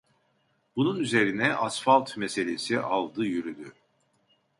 Bunun üzerine asfalt meselesi aldı yürüdü.